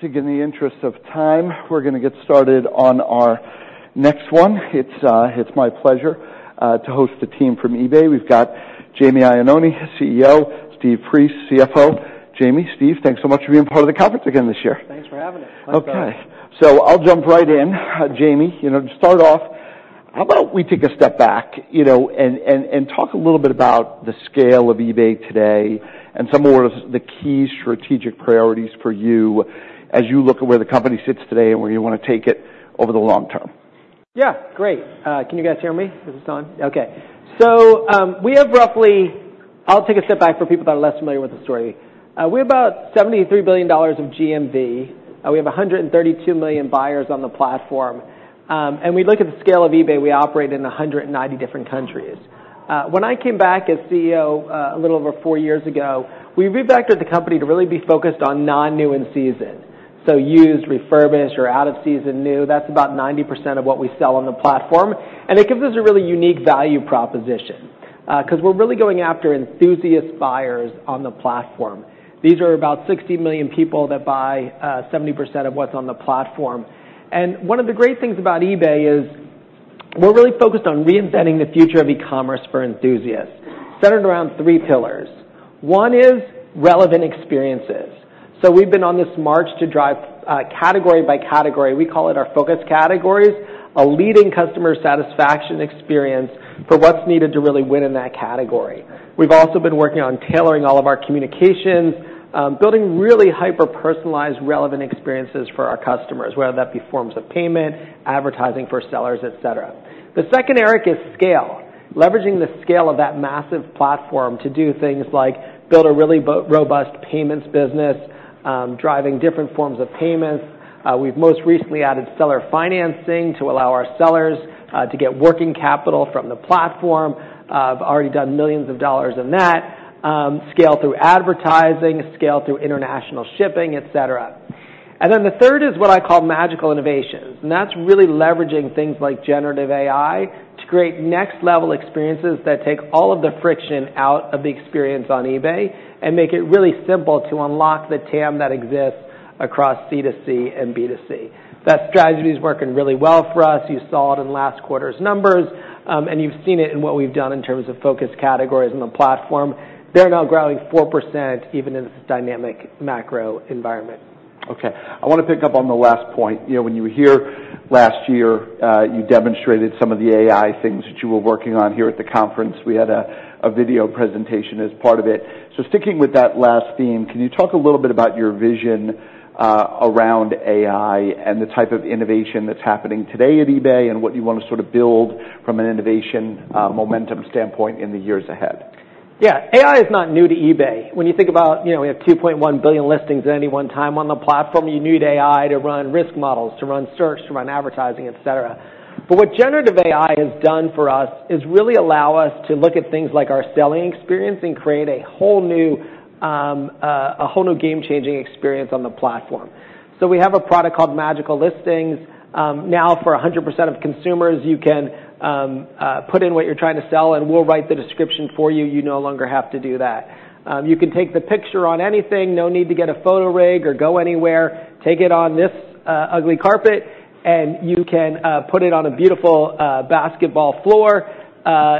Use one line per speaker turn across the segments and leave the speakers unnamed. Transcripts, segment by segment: All right, I think in the interest of time, we're gonna get started on our next one. It's my pleasure to host the team from eBay. We've got Jamie Iannone, CEO, Steve Priest, CFO. Jamie, Steve, thanks so much for being part of the conference again this year.
Thanks for having us.
My pleasure.
Okay, so I'll jump right in. Jamie, you know, to start off, how about we take a step back, you know, and talk a little bit about the scale of eBay today and some more of the key strategic priorities for you as you look at where the company sits today and where you want to take it over the long term?
Yeah, great. Can you guys hear me? Is this on? Okay, so we have roughly—I'll take a step back for people that are less familiar with the story. We have about $73 billion of GMV, and we have 132 million buyers on the platform. And we look at the scale of eBay, we operate in 190 different countries. When I came back as CEO, a little over four years ago, we revectored the company to really be focused on non-new in-season. So used, refurbished, or out-of-season new, that's about 90% of what we sell on the platform. And it gives us a really unique value proposition, 'cause we're really going after enthusiast buyers on the platform. These are about 60 million people that buy 70% of what's on the platform. And one of the great things about eBay is we're really focused on reinventing the future of e-commerce for enthusiasts, centered around three pillars. One is relevant experiences. So we've been on this march to drive category by category, we call it our focus categories, a leading customer satisfaction experience for what's needed to really win in that category. We've also been working on tailoring all of our communications, building really hyper-personalized, relevant experiences for our customers, whether that be forms of payment, advertising for sellers, et cetera. The second, Eric, is scale. Leveraging the scale of that massive platform to do things like build a really robust payments business, driving different forms of payments. We've most recently added seller financing to allow our sellers to get working capital from the platform. We've already done millions of dollars in that, scale through advertising, scale through international shipping, et cetera. And then the third is what I call magical innovations, and that's really leveraging things like generative AI to create next-level experiences that take all of the friction out of the experience on eBay and make it really simple to unlock the TAM that exists across C2C and B2C. That strategy is working really well for us. You saw it in last quarter's numbers, and you've seen it in what we've done in terms of focus categories on the platform. They're now growing 4%, even in this dynamic macro environment.
Okay, I want to pick up on the last point. You know, when you were here last year, you demonstrated some of the AI things that you were working on here at the conference. We had a video presentation as part of it. So sticking with that last theme, can you talk a little bit about your vision around AI and the type of innovation that's happening today at eBay and what you want to sort of build from an innovation momentum standpoint in the years ahead?
Yeah, AI is not new to eBay. When you think about, you know, we have 2.1 billion listings at any one time on the platform. You need AI to run risk models, to run search, to run advertising, et cetera. But what generative AI has done for us is really allow us to look at things like our selling experience and create a whole new game-changing experience on the platform. So we have a product called Magical Listings. Now, for 100% of consumers, you can put in what you're trying to sell, and we'll write the description for you. You no longer have to do that. You can take the picture on anything, no need to get a photo rig or go anywhere. Take it on this ugly carpet, and you can put it on a beautiful basketball floor,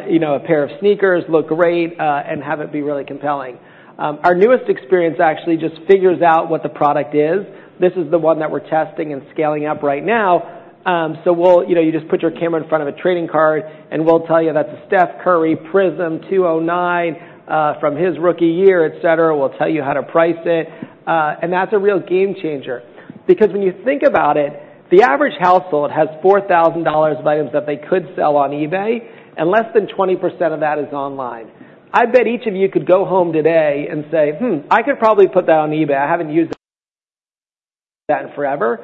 you know, a pair of sneakers look great, and have it be really compelling. Our newest experience actually just figures out what the product is. This is the one that we're testing and scaling up right now. So we'll, you know, you just put your camera in front of a trading card, and we'll tell you that's a Steph Curry Prizm 209 from his rookie year, et cetera. We'll tell you how to price it, and that's a real game changer. Because when you think about it, the average household has $4,000 of items that they could sell on eBay, and less than 20% of that is online. I bet each of you could go home today and say, "Hmm, I could probably put that on eBay. I haven't used that in forever."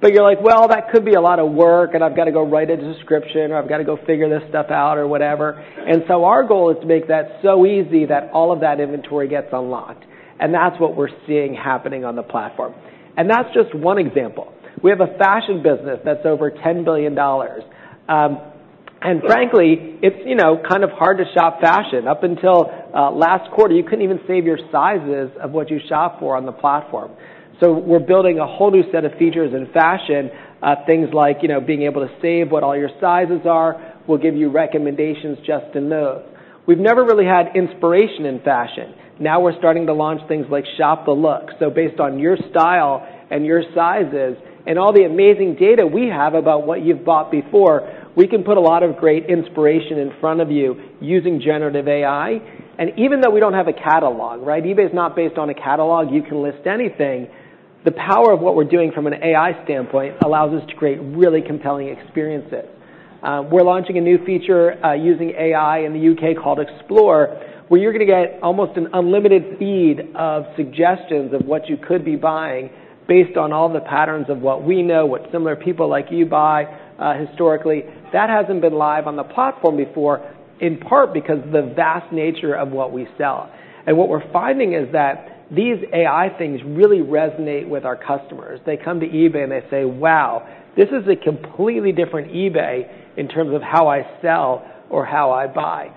But you're like, "Well, that could be a lot of work, and I've got to go write a description, or I've got to go figure this stuff out," or whatever. And so our goal is to make that so easy that all of that inventory gets unlocked, and that's what we're seeing happening on the platform. And that's just one example. We have a fashion business that's over $10 billion. And frankly, it's, you know, kind of hard to shop fashion. Up until last quarter, you couldn't even save your sizes of what you shop for on the platform. So we're building a whole new set of features in fashion, things like, you know, being able to save what all your sizes are. We'll give you recommendations just to know. We've never really had inspiration in fashion. Now we're starting to launch things like Shop the Look. So based on your style and your sizes and all the amazing data we have about what you've bought before, we can put a lot of great inspiration in front of you using generative AI. And even though we don't have a catalog, right? eBay is not based on a catalog. You can list anything. The power of what we're doing from an AI standpoint allows us to create really compelling experiences. We're launching a new feature using AI in the U.K. called Explore, where you're gonna get almost an unlimited feed of suggestions of what you could be buying based on all the patterns of what we know, what similar people like you buy, historically. That hasn't been live on the platform before, in part because of the vast nature of what we sell, and what we're finding is that these AI things really resonate with our customers. They come to eBay, and they say, "Wow, this is a completely different eBay in terms of how I sell or how I buy."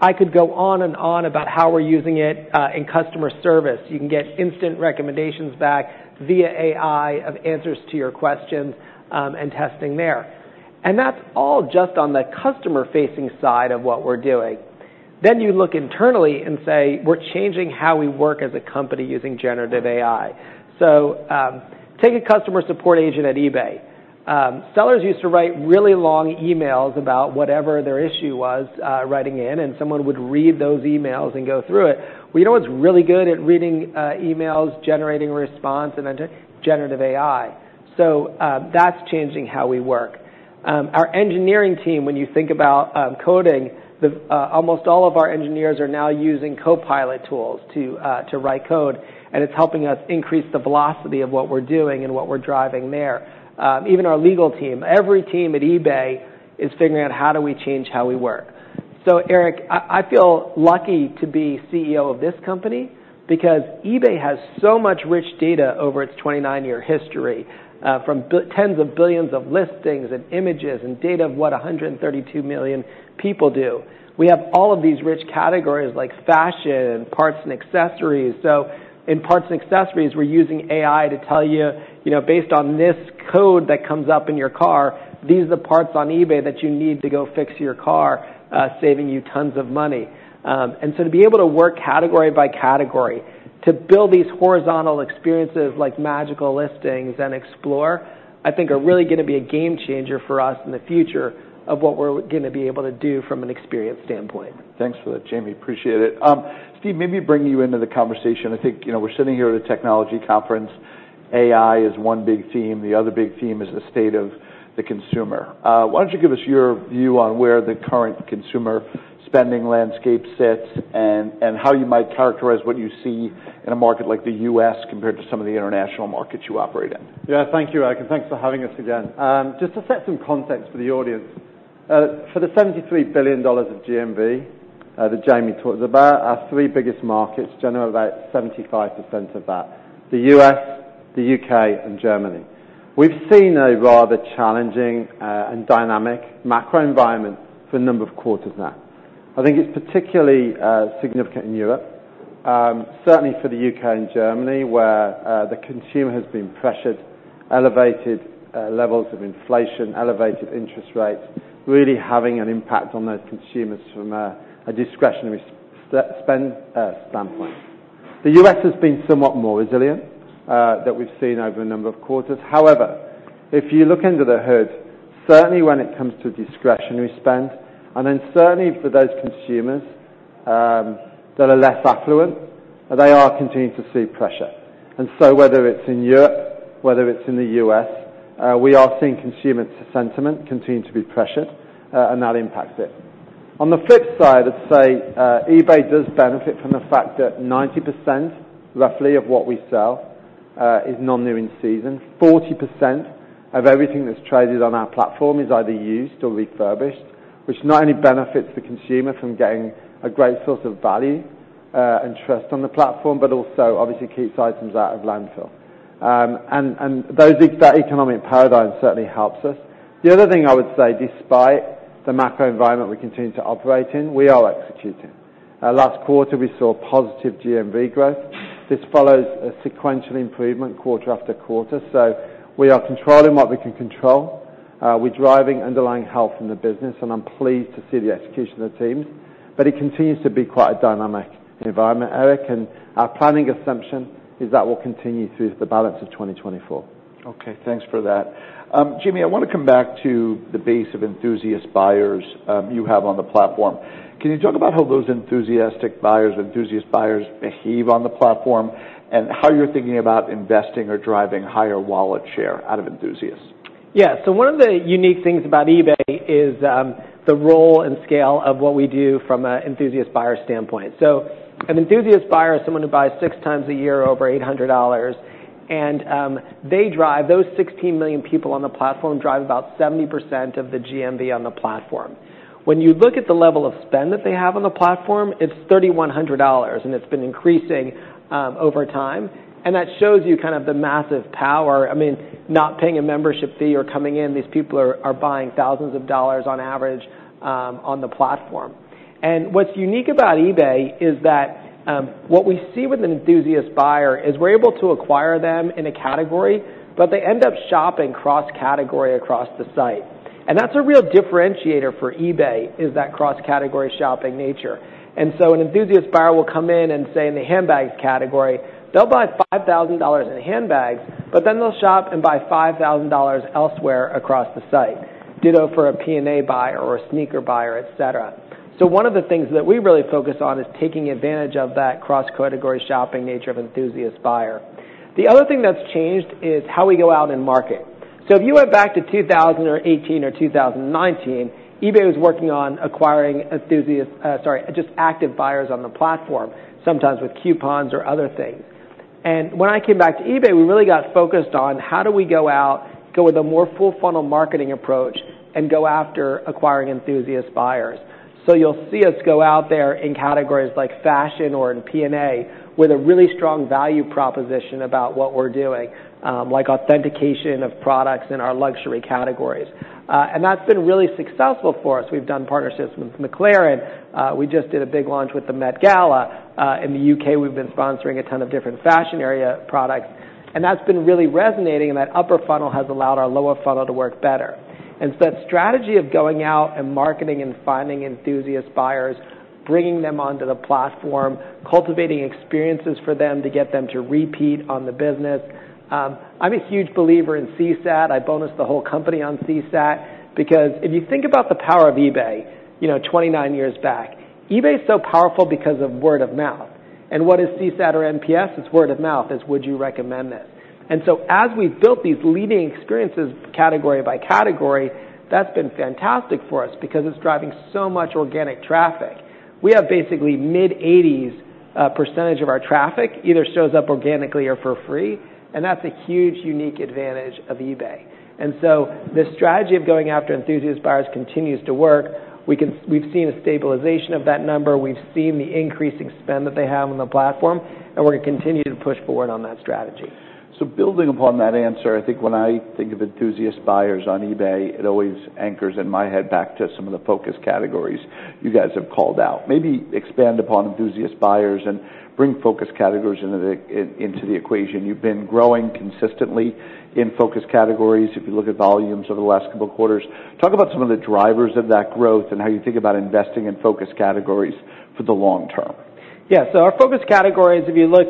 I could go on and on about how we're using it in customer service. You can get instant recommendations back via AI of answers to your questions, and testing there, and that's all just on the customer-facing side of what we're doing. Then you look internally and say, we're changing how we work as a company using generative AI. So, take a customer support agent at eBay. Sellers used to write really long emails about whatever their issue was, writing in, and someone would read those emails and go through it. Well, you know what's really good at reading emails, generating response, and then generative AI. So, that's changing how we work. Our engineering team, when you think about coding, almost all of our engineers are now using Copilot tools to write code, and it's helping us increase the velocity of what we're doing and what we're driving there. Even our legal team, every team at eBay is figuring out, how do we change how we work? So, Eric, I feel lucky to be CEO of this company because eBay has so much rich data over its twenty-nine-year history, from tens of billions of listings and images and data of what a hundred and thirty-two million people do. We have all of these rich categories like fashion, parts and accessories. In parts and accessories, we're using AI to tell you, you know, based on this code that comes up in your car, these are the parts on eBay that you need to go fix your car, saving you tons of money. And so to be able to work category by category, to build these horizontal experiences like Magical Listings and Explore, I think are really gonna be a game changer for us in the future of what we're gonna be able to do from an experience standpoint.
Thanks for that, Jamie. Appreciate it. Steve, maybe bring you into the conversation. I think, you know, we're sitting here at a technology conference. AI is one big theme, the other big theme is the state of the consumer. Why don't you give us your view on where the current consumer spending landscape sits, and how you might characterize what you see in a market like the US compared to some of the international markets you operate in?
Yeah, thank you, Eric, and thanks for having us again. Just to set some context for the audience, for the $73 billion of GMV that Jamie talked about, our three biggest markets generate about 75% of that: the U.S., the U.K., and Germany. We've seen a rather challenging and dynamic macro environment for a number of quarters now. I think it's particularly significant in Europe, certainly for the U.K. and Germany, where the consumer has been pressured, elevated levels of inflation, elevated interest rates, really having an impact on those consumers from a discretionary spend standpoint. The U.S. has been somewhat more resilient that we've seen over a number of quarters. However, if you look under the hood, certainly when it comes to discretionary spend, and then certainly for those consumers that are less affluent, they are continuing to see pressure. And so whether it's in Europe, whether it's in the US, we are seeing consumer sentiment continue to be pressured, and that impacts it. On the flip side, I'd say, eBay does benefit from the fact that 90%, roughly, of what we sell is non-new in season. 40% of everything that's traded on our platform is either used or refurbished, which not only benefits the consumer from getting a great source of value, and trust on the platform, but also obviously keeps items out of landfill. And that economic paradigm certainly helps us. The other thing I would say, despite the macro environment we continue to operate in, we are executing. Last quarter, we saw positive GMV growth. This follows a sequential improvement quarter after quarter, so we are controlling what we can control. We're driving underlying health in the business, and I'm pleased to see the execution of the teams, but it continues to be quite a dynamic environment, Eric, and our planning assumption is that will continue through the balance of twenty twenty-four.
Okay, thanks for that. Jamie, I wanna come back to the base of enthusiast buyers you have on the platform. Can you talk about how those enthusiastic buyers or enthusiast buyers behave on the platform, and how you're thinking about investing or driving higher wallet share out of enthusiasts?
Yeah. So one of the unique things about eBay is the role and scale of what we do from an Enthusiast Buyer standpoint. So an Enthusiast Buyer is someone who buys six times a year over $800, and those sixteen million people on the platform drive about 70% of the GMV on the platform. When you look at the level of spend that they have on the platform, it's $3,100, and it's been increasing over time. And that shows you kind of the massive power. I mean, not paying a membership fee or coming in, these people are buying thousands of dollars on average on the platform. What's unique about eBay is that what we see with an enthusiast buyer is we're able to acquire them in a category, but they end up shopping cross-category across the site. That's a real differentiator for eBay, is that cross-category shopping nature. An enthusiast buyer will come in and say, in the handbags category, they'll buy $5,000 in handbags, but then they'll shop and buy $5,000 elsewhere across the site. Ditto for a P&A buyer or a sneaker buyer, et cetera. One of the things that we really focus on is taking advantage of that cross-category shopping nature of enthusiast buyer. The other thing that's changed is how we go out and market. So if you went back to two thousand and eighteen or two thousand and nineteen, eBay was working on acquiring enthusiast, just active buyers on the platform, sometimes with coupons or other things. And when I came back to eBay, we really got focused on how do we go out, go with a more full-funnel marketing approach, and go after acquiring enthusiast buyers. So you'll see us go out there in categories like fashion or in PNA, with a really strong value proposition about what we're doing, like authentication of products in our luxury categories. And that's been really successful for us. We've done partnerships with McLaren. We just did a big launch with the Met Gala. In the UK, we've been sponsoring a ton of different fashion area products, and that's been really resonating, and that upper funnel has allowed our lower funnel to work better, and so that strategy of going out and marketing and finding enthusiast buyers, bringing them onto the platform, cultivating experiences for them to get them to repeat on the business. I'm a huge believer in CSAT. I bonus the whole company on CSAT, because if you think about the power of eBay, you know, twenty-nine years back, eBay is so powerful because of word of mouth, and what is CSAT or NPS? It's word of mouth, is would you recommend this, and so as we've built these leading experiences category by category, that's been fantastic for us because it's driving so much organic traffic. We have basically mid-80s% of our traffic that either shows up organically or for free, and that's a huge, unique advantage of eBay. And so the strategy of going after enthusiast buyers continues to work. We've seen a stabilization of that number. We've seen the increasing spend that they have on the platform, and we're going to continue to push forward on that strategy.
Building upon that answer, I think when I think of enthusiast buyers on eBay, it always anchors in my head back to some of the focus categories you guys have called out. Maybe expand upon enthusiast buyers and bring focus categories into the equation. You've been growing consistently in focus categories if you look at volumes over the last couple of quarters. Talk about some of the drivers of that growth and how you think about investing in focus categories for the long term.
Yeah, so our focus categories, if you look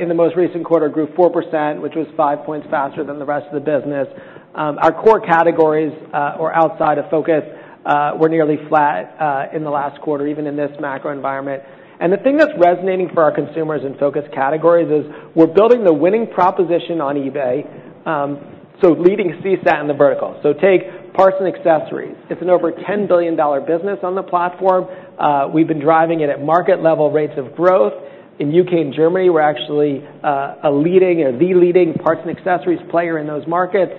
in the most recent quarter, grew 4%, which was five points faster than the rest of the business. Our core categories, or outside of focus, were nearly flat in the last quarter, even in this macro environment. And the thing that's resonating for our consumers in focus categories is, we're building the winning proposition on eBay, so leading CSAT in the vertical. So take parts and accessories. It's an over $10 billion business on the platform. We've been driving it at market-level rates of growth. In UK and Germany, we're actually a leading or the leading parts and accessories player in those markets,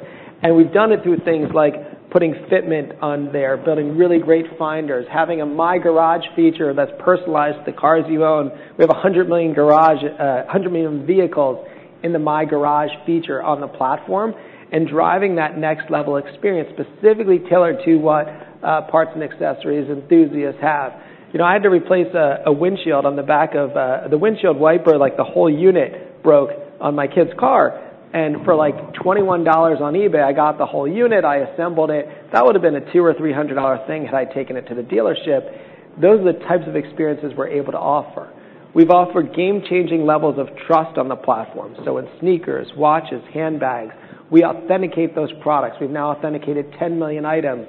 and we've done it through things like putting fitment on there, building really great finders, having a My Garage feature that's personalized to the cars you own. We have 100 million vehicles in the My Garage feature on the platform, and driving that next-level experience, specifically tailored to what parts and accessories enthusiasts have. You know, I had to replace a windshield on the back of the windshield wiper, like, the whole unit broke on my kid's car, and for, like, $21 on eBay, I got the whole unit, I assembled it. That would have been a $200-$300 thing had I taken it to the dealership. Those are the types of experiences we're able to offer. We've offered game-changing levels of trust on the platform. So in sneakers, watches, handbags, we authenticate those products. We've now authenticated 10 million items.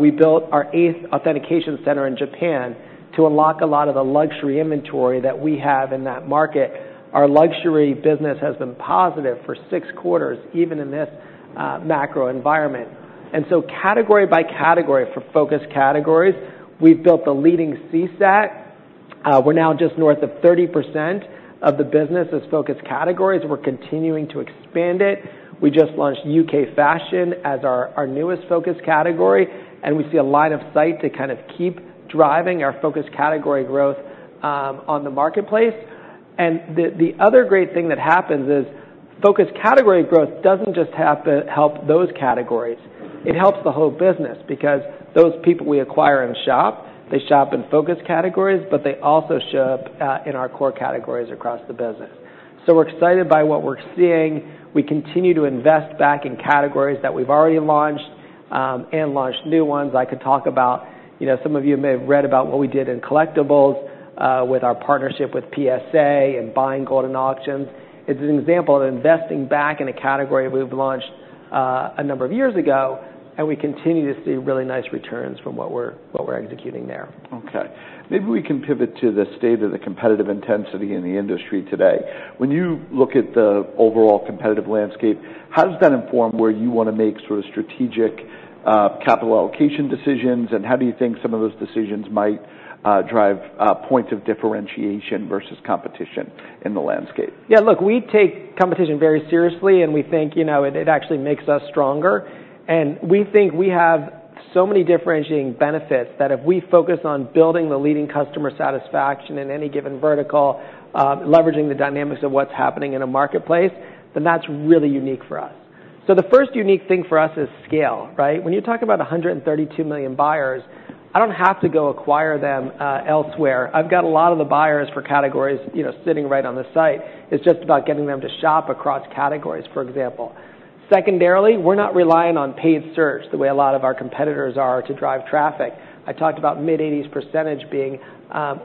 We built our eighth authentication center in Japan to unlock a lot of the luxury inventory that we have in that market. Our luxury business has been positive for six quarters, even in this macro environment, and so category by category, for Focus Categories, we've built the leading CSAT. We're now just north of 30% of the business is Focus Categories. We're continuing to expand it. We just launched UK fashion as our newest Focus Category, and we see a line of sight to kind of keep driving our Focus Category growth on the marketplace, and the other great thing that happens is, Focus Category growth doesn't just have to help those categories. It helps the whole business, because those people we acquire in shop, they shop in Focus Categories, but they also show up in our core categories across the business, so we're excited by what we're seeing. We continue to invest back in categories that we've already launched and launch new ones. I could talk about... You know, some of you may have read about what we did in collectibles, with our partnership with PSA and buying Goldin Auctions. It's an example of investing back in a category we've launched, a number of years ago, and we continue to see really nice returns from what we're executing there.
Okay. Maybe we can pivot to the state of the competitive intensity in the industry today. When you look at the overall competitive landscape, how does that inform where you want to make sort of strategic, capital allocation decisions, and how do you think some of those decisions might drive points of differentiation versus competition in the landscape?
Yeah, look, we take competition very seriously, and we think, you know, it actually makes us stronger. And we think we have so many differentiating benefits that if we focus on building the leading customer satisfaction in any given vertical, leveraging the dynamics of what's happening in a marketplace, then that's really unique for us. So the first unique thing for us is scale, right? When you talk about 132 million buyers, I don't have to go acquire them, elsewhere. I've got a lot of the buyers for categories, you know, sitting right on the site. It's just about getting them to shop across categories, for example. Secondarily, we're not relying on paid search the way a lot of our competitors are to drive traffic. I talked about mid-80s% being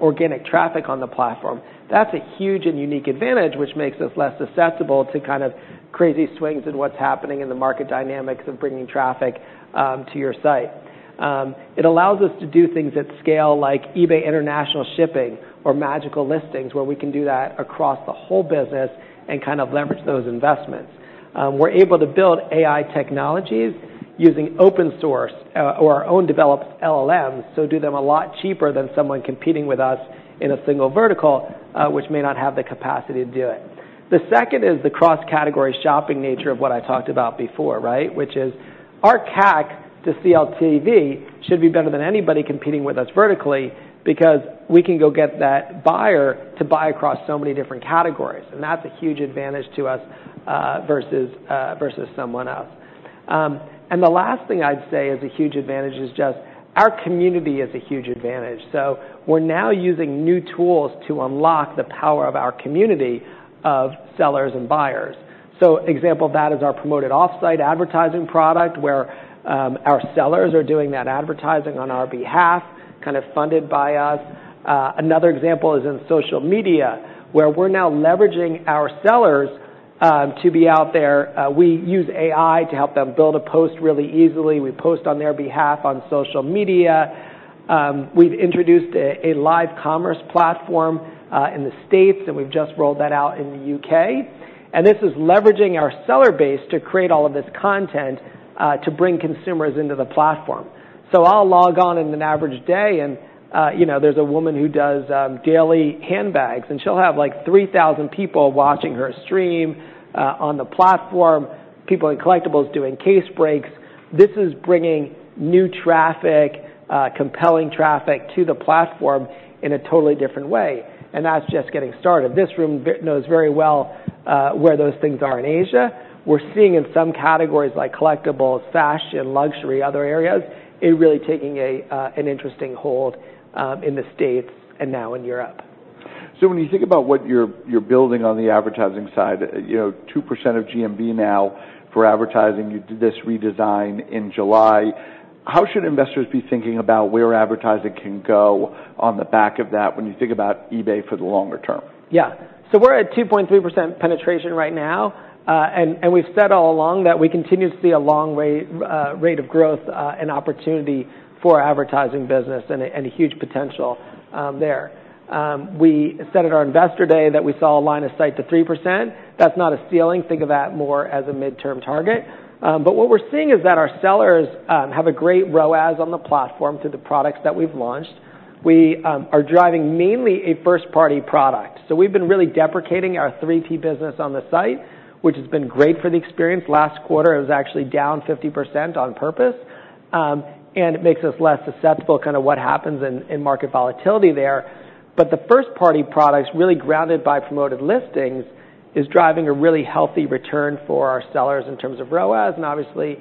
organic traffic on the platform. That's a huge and unique advantage, which makes us less accessible to kind of crazy swings in what's happening in the market dynamics of bringing traffic, to your site. It allows us to do things at scale, like eBay International Shipping or Magical Listings, where we can do that across the whole business and kind of leverage those investments. We're able to build AI technologies using open source, or our own developed LLM, so do them a lot cheaper than someone competing with us in a single vertical, which may not have the capacity to do it. The second is the cross-category shopping nature of what I talked about before, right? Which is our CAC to CLTV should be better than anybody competing with us vertically because we can go get that buyer to buy across so many different categories, and that's a huge advantage to us, versus someone else. And the last thing I'd say is a huge advantage is just our community is a huge advantage. So we're now using new tools to unlock the power of our community of sellers and buyers. So example of that is our Promoted Offsite advertising product, where our sellers are doing that advertising on our behalf, kind of funded by us. Another example is in social media, where we're now leveraging our sellers to be out there. We use AI to help them build a post really easily. We post on their behalf on social media. We've introduced a live commerce platform in the States, and we've just rolled that out in the UK. And this is leveraging our seller base to create all of this content to bring consumers into the platform. So I'll log on in an average day, and you know, there's a woman who does daily handbags, and she'll have, like, three thousand people watching her stream on the platform, people in collectibles doing case breaks. This is bringing new traffic, compelling traffic to the platform in a totally different way, and that's just getting started. This room knows very well where those things are in Asia. We're seeing in some categories, like collectibles, fashion, luxury, other areas, it really taking an interesting hold in the States and now in Europe.
So when you think about what you're building on the advertising side, you know, 2% of GMV now for advertising, you did this redesign in July, how should investors be thinking about where advertising can go on the back of that when you think about eBay for the longer term? Yeah. So we're at 2.3% penetration right now, and we've said all along that we continue to see a long way, rate of growth, and opportunity for advertising business and a huge potential there. We said at our Investor Day that we saw a line of sight to 3%. That's not a ceiling. Think of that more as a midterm target. But what we're seeing is that our sellers have a great ROAS on the platform through the products that we've launched. We are driving mainly a first-party product. So we've been really deprecating our three-tier business on the site, which has been great for the experience. Last quarter, it was actually down 50% on purpose, and it makes us less susceptible kind of what happens in market volatility there. But the first-party products, really grounded by Promoted Listings is driving a really healthy return for our sellers in terms of ROAS and obviously,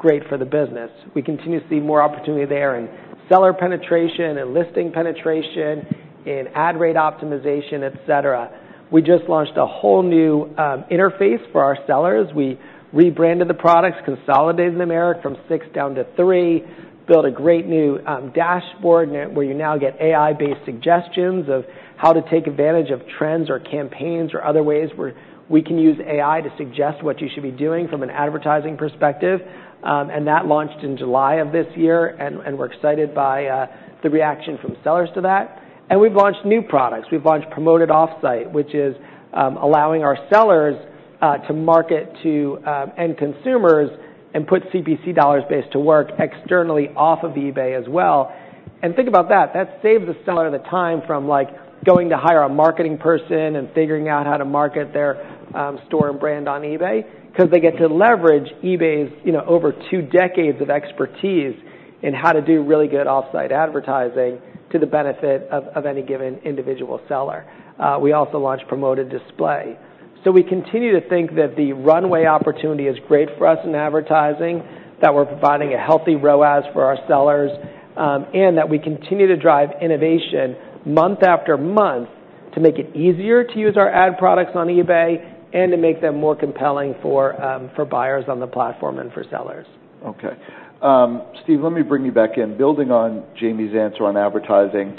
great for the business. We continue to see more opportunity there in seller penetration, in listing penetration, in ad rate optimization, et cetera. We just launched a whole new interface for our sellers. We rebranded the products, consolidated them, Eric, from six down to three, built a great new dashboard where you now get AI-based suggestions of how to take advantage of trends or campaigns or other ways where we can use AI to suggest what you should be doing from an advertising perspective. And that launched in July of this year, and we're excited by the reaction from sellers to that. And we've launched new products. We've launched Promoted Offsite, which is allowing our sellers to market to end consumers and put CPC dollars based to work externally off of eBay as well. And think about that. That saves the seller the time from, like, going to hire a marketing person and figuring out how to market their store and brand on eBay, 'cause they get to leverage eBay's, you know, over two decades of expertise in how to do really good off-site advertising to the benefit of any given individual seller. We also launched Promoted Display. So we continue to think that the runway opportunity is great for us in advertising, that we're providing a healthy ROAS for our sellers, and that we continue to drive innovation month after month to make it easier to use our ad products on eBay and to make them more compelling for buyers on the platform and for sellers. Okay. Steve, let me bring you back in. Building on Jamie's answer on advertising,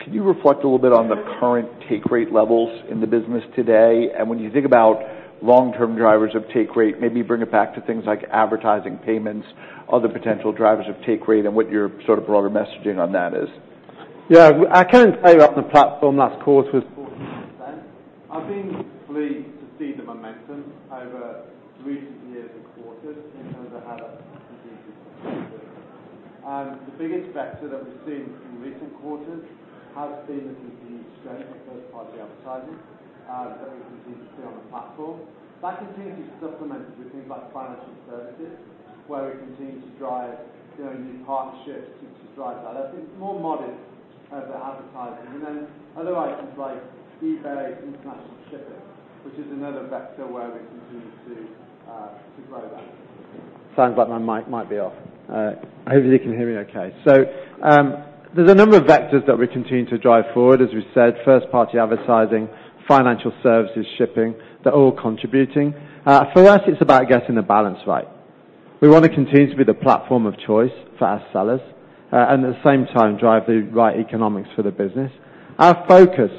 can you reflect a little bit on the current take rate levels in the business today? And when you think about long-term drivers of take rate, maybe bring it back to things like advertising, payments, other potential drivers of take rate, and what your sort of broader messaging on that is.
Yeah, account value on the platform last quarter was 14%. I've been pleased to see the momentum over recent years and quarters in terms of how that... The biggest vector that we've seen in recent quarters has been the continued strength of first-party advertising, that we continue to see on the platform. That continues to be supplemented with things like financial services, where we continue to drive, you know, new partnerships to, to drive that. I think more modest as the advertising. And then other items like eBay International Shipping, which is another vector where we continue to, to grow that. Sounds like my mic might be off. Hopefully, you can hear me okay. So, there's a number of vectors that we continue to drive forward, as we said, first-party advertising, financial services, shipping, they're all contributing. For us, it's about getting the balance right. We want to continue to be the platform of choice for our sellers, and at the same time, drive the right economics for the business. Our focus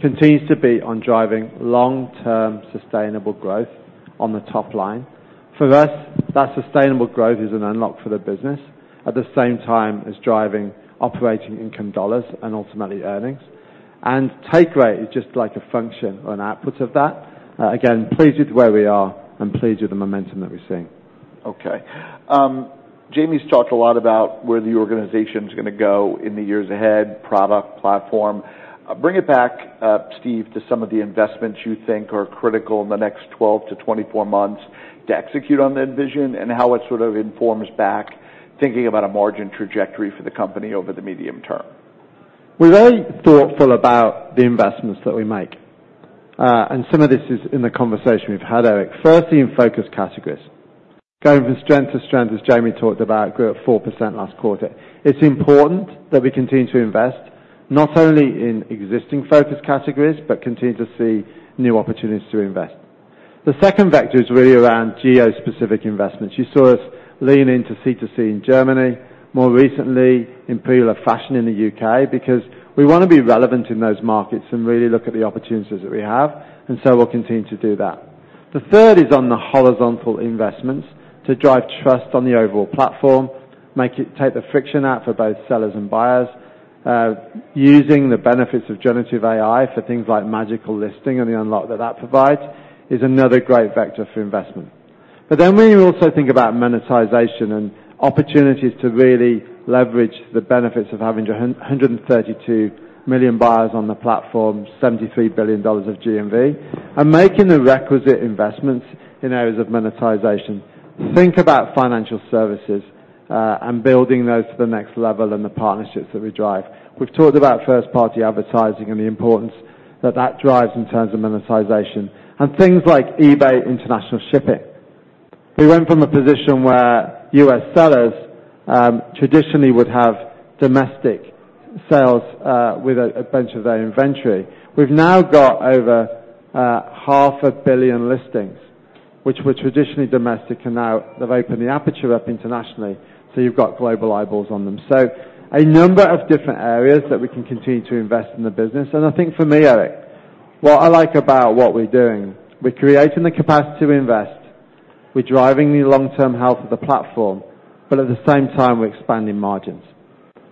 continues to be on driving long-term, sustainable growth on the top line. For us, that sustainable growth is an unlock for the business, at the same time, is driving operating income dollars and ultimately earnings. And take rate is just like a function or an output of that. Again, pleased with where we are and pleased with the momentum that we're seeing.
Okay. Jamie's talked a lot about where the organization's gonna go in the years ahead, product, platform. Bring it back, Steve, to some of the investments you think are critical in the next twelve to twenty-four months to execute on that vision, and how it sort of informs back, thinking about a margin trajectory for the company over the medium term.
We're very thoughtful about the investments that we make, and some of this is in the conversation we've had, Eric. First, in focus categories going from strength to strength, as Jamie talked about, grew at 4% last quarter. It's important that we continue to invest, not only in existing focus categories, but continue to see new opportunities to invest. The second vector is really around geo-specific investments. You saw us lean into C2C in Germany, more recently, in popular fashion in the UK, because we wanna be relevant in those markets and really look at the opportunities that we have, and so we'll continue to do that. The third is on the horizontal investments to drive trust on the overall platform, make it take the friction out for both sellers and buyers. Using the benefits of generative AI for things like magical listing and the unlock that that provides, is another great vector for investment. But then we also think about monetization and opportunities to really leverage the benefits of having 132 million buyers on the platform, $73 billion of GMV, and making the requisite investments in areas of monetization. Think about financial services, and building those to the next level, and the partnerships that we drive. We've talked about first party advertising and the importance that that drives in terms of monetization, and things like eBay International Shipping. We went from a position where U.S. sellers, traditionally would have domestic sales, with a bunch of their inventory. We've now got over half a billion listings, which were traditionally domestic, and now they've opened the aperture up internationally, so you've got global eyeballs on them. So a number of different areas that we can continue to invest in the business. And I think for me, Eric, what I like about what we're doing, we're creating the capacity to invest, we're driving the long-term health of the platform, but at the same time, we're expanding margins.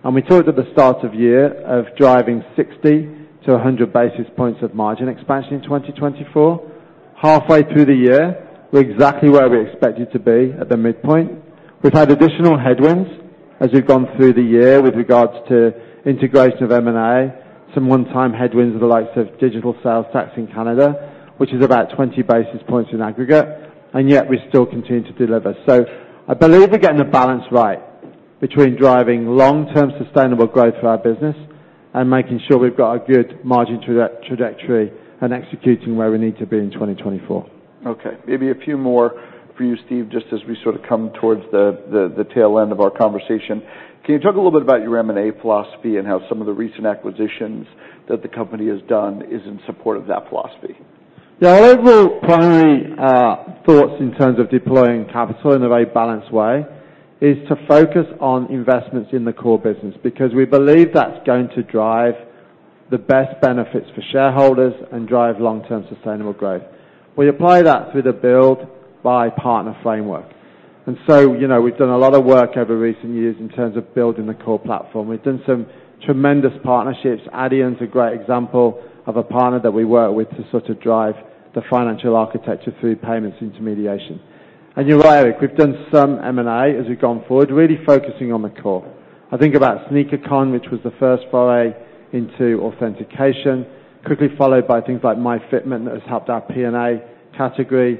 And we talked at the start of year of driving 60-100 basis points of margin expansion in 2024. Halfway through the year, we're exactly where we expected to be at the midpoint. We've had additional headwinds as we've gone through the year with regards to integration of M&A, some one-time headwinds of the likes of digital sales tax in Canada, which is about 20 basis points in aggregate, and yet we still continue to deliver. So I believe we're getting the balance right between driving long-term sustainable growth for our business and making sure we've got a good margin trajectory and executing where we need to be in 2024.
Okay, maybe a few more for you, Steve, just as we sort of come towards the tail end of our conversation. Can you talk a little bit about your M&A philosophy, and how some of the recent acquisitions that the company has done is in support of that philosophy?
Yeah, our overall primary thoughts in terms of deploying capital in a very balanced way is to focus on investments in the core business, because we believe that's going to drive the best benefits for shareholders and drive long-term sustainable growth. We apply that through the build by partner framework. And so, you know, we've done a lot of work over recent years in terms of building the core platform. We've done some tremendous partnerships. Adyen is a great example of a partner that we work with to sort of drive the financial architecture through payments intermediation. And you're right, Eric, we've done some M&A as we've gone forward, really focusing on the core. I think about Sneaker Con, which was the first foray into authentication, quickly followed by things like myFitment, that has helped our P&A category,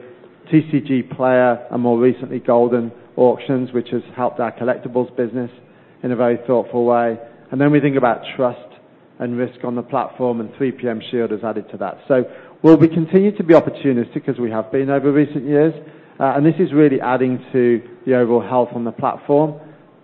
TCGplayer, and more recently, Goldin Auctions, which has helped our collectibles business in a very thoughtful way. And then we think about trust and risk on the platform, and 3PM Shield has added to that. So will we continue to be opportunistic as we have been over recent years? And this is really adding to the overall health on the platform.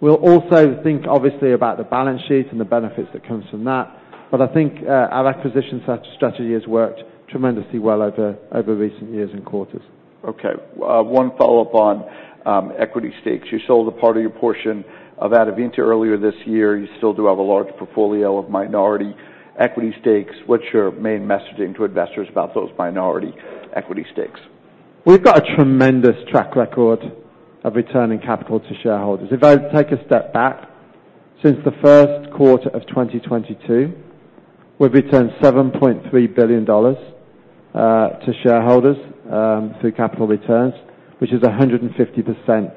We'll also think, obviously, about the balance sheet and the benefits that comes from that, but I think, our acquisition set strategy has worked tremendously well over recent years and quarters.
Okay, one follow-up on equity stakes. You sold a part of your portion of Adevinta earlier this year. You still do have a large portfolio of minority equity stakes. What's your main messaging to investors about those minority equity stakes?
We've got a tremendous track record of returning capital to shareholders. If I take a step back, since the first quarter of 2022, we've returned $7.3 billion to shareholders through capital returns, which is 150%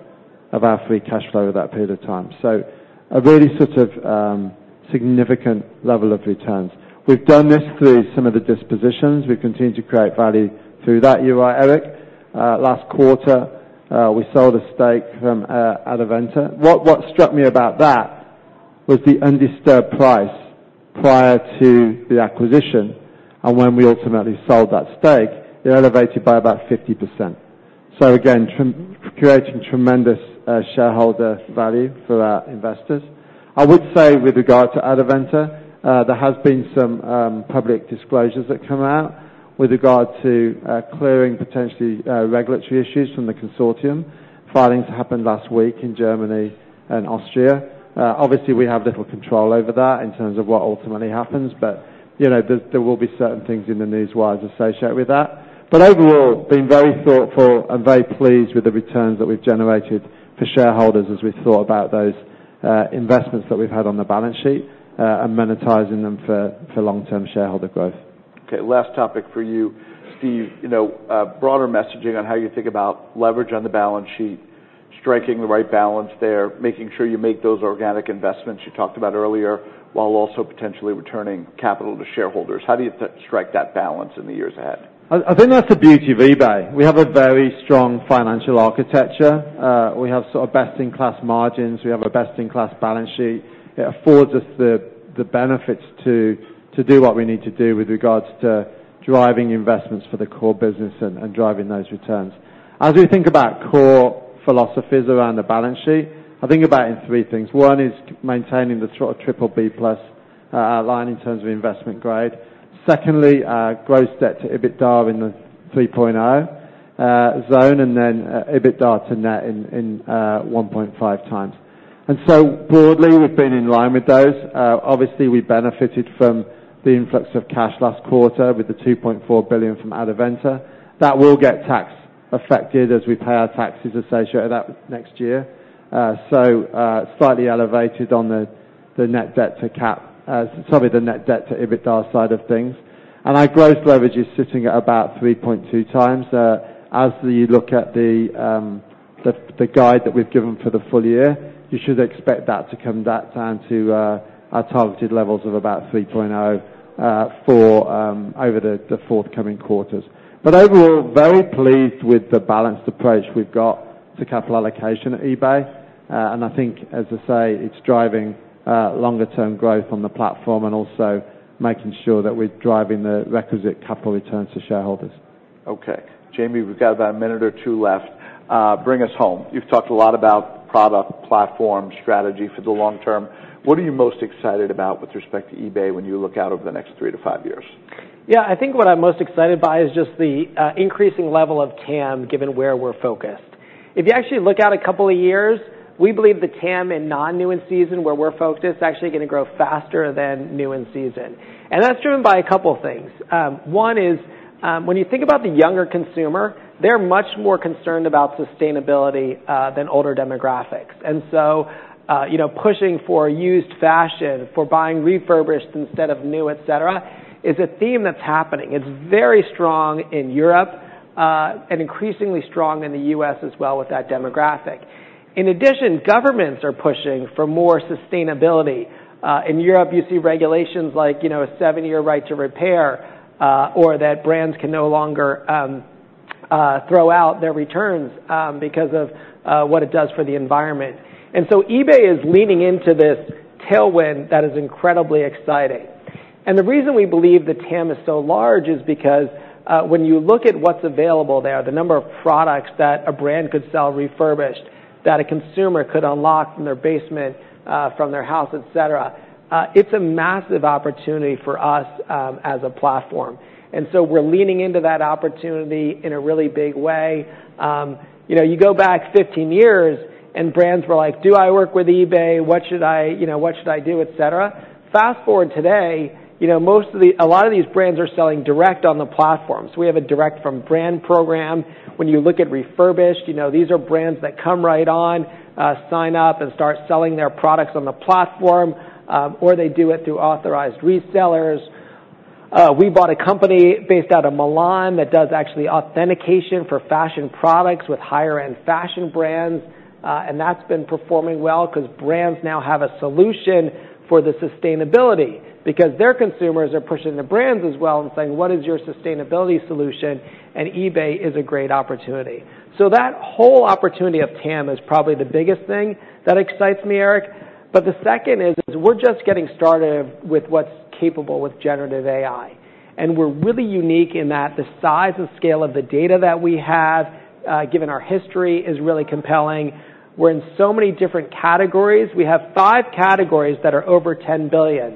of our free cash flow over that period of time. So a really sort of significant level of returns. We've done this through some of the dispositions. We've continued to create value through that. You're right, Eric, last quarter, we sold a stake from Adevinta. What struck me about that was the undisturbed price prior to the acquisition, and when we ultimately sold that stake, it elevated by about 50%. So again, creating tremendous shareholder value for our investors. I would say with regard to Adevinta, there has been some public disclosures that come out with regard to clearing potentially regulatory issues from the consortium. Filings happened last week in Germany and Austria. Obviously, we have little control over that in terms of what ultimately happens, but, you know, there will be certain things in the newswire associated with that. But overall, been very thoughtful and very pleased with the returns that we've generated for shareholders as we've thought about those investments that we've had on the balance sheet and monetizing them for long-term shareholder growth.
Okay, last topic for you, Steve. You know, broader messaging on how you think about leverage on the balance sheet, striking the right balance there, making sure you make those organic investments you talked about earlier, while also potentially returning capital to shareholders. How do you strike that balance in the years ahead?
I think that's the beauty of eBay. We have a very strong financial architecture. We have sort of best-in-class margins. We have a best-in-class balance sheet. It affords us the benefits to do what we need to do with regards to driving investments for the core business and driving those returns. As we think about core philosophies around the balance sheet, I think about it in three things. One is maintaining the sort of BBB+ line in terms of investment grade. Secondly, gross debt to EBITDA in the 3.0 zone, and then, EBITDA to net in 1.5 times. And so broadly, we've been in line with those. Obviously, we benefited from the influx of cash last quarter with the $2.4 billion from Adevinta. That will get tax affected as we pay our taxes associated with that next year, so slightly elevated on the net debt to EBITDA side of things. Our gross leverage is sitting at about three point two times. As you look at the guide that we've given for the full year, you should expect that to come back down to our targeted levels of about three point oh for over the forthcoming quarters. Overall, very pleased with the balanced approach we've got to capital allocation at eBay. I think, as I say, it's driving longer term growth on the platform and also making sure that we're driving the requisite capital returns to shareholders.
Okay. Jamie, we've got about a minute or two left. Bring us home. You've talked a lot about product, platform, strategy for the long term. What are you most excited about with respect to eBay when you look out over the next three to five years?
Yeah, I think what I'm most excited by is just the increasing level of TAM, given where we're focused. If you actually look out a couple of years, we believe the TAM and non-new in season, where we're focused, is actually gonna grow faster than new in season. And that's driven by a couple things. One is, when you think about the younger consumer, they're much more concerned about sustainability than older demographics. And so, you know, pushing for used fashion, for buying refurbished instead of new, et cetera, is a theme that's happening. It's very strong in Europe and increasingly strong in the US as well with that demographic. In addition, governments are pushing for more sustainability. In Europe, you see regulations like, you know, a seven-year right to repair, or that brands can no longer throw out their returns, because of what it does for the environment. And so eBay is leaning into this tailwind that is incredibly exciting. And the reason we believe the TAM is so large is because, when you look at what's available there, the number of products that a brand could sell refurbished, that a consumer could unlock from their basement, from their house, et cetera, it's a massive opportunity for us, as a platform. And so we're leaning into that opportunity in a really big way. You know, you go back fifteen years, and brands were like: "Do I work with eBay? What should I do?" Et cetera. Fast-forward today, you know, a lot of these brands are selling direct on the platform. So we have a direct-from-brand program. When you look at refurbished, you know, these are brands that come right on, sign up, and start selling their products on the platform, or they do it through authorized resellers. We bought a company based out of Milan that does actually authentication for fashion products with higher-end fashion brands, and that's been performing well, 'cause brands now have a solution for the sustainability, because their consumers are pushing the brands as well and saying, "What is your sustainability solution?" And eBay is a great opportunity. So that whole opportunity of TAM is probably the biggest thing that excites me, Eric. But the second is, we're just getting started with what's capable with Generative AI, and we're really unique in that the size and scale of the data that we have, given our history, is really compelling. We're in so many different categories. We have five categories that are over 10 billion: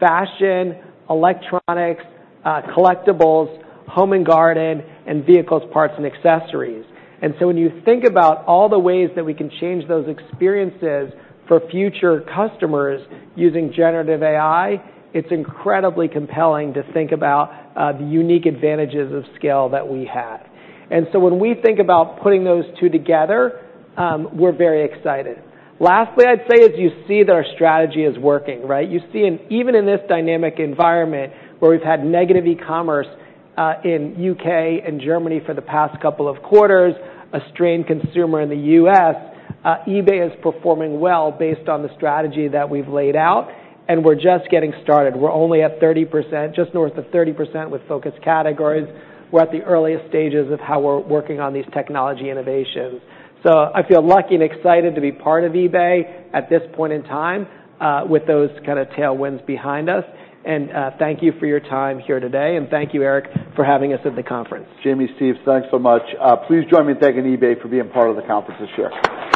fashion, electronics, collectibles, home and garden, and vehicles, parts, and accessories. And so when you think about all the ways that we can change those experiences for future customers using Generative AI, it's incredibly compelling to think about the unique advantages of scale that we have. And so when we think about putting those two together, we're very excited. Lastly, I'd say, is you see that our strategy is working, right? You see, and even in this dynamic environment, where we've had negative e-commerce in UK and Germany for the past couple of quarters, a strained consumer in the US, eBay is performing well based on the strategy that we've laid out, and we're just getting started. We're only at 30%, just north of 30% with Focus Categories. We're at the earliest stages of how we're working on these technology innovations. So I feel lucky and excited to be part of eBay at this point in time, with those kind of tailwinds behind us, and thank you for your time here today, and thank you, Eric, for having us at the conference.
Jamie Iannone, thanks so much. Please join me in thanking eBay for being part of the conference this year.